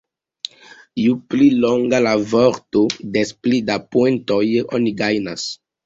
Ju pli longa la vorto, des pli da poentoj oni gajnas.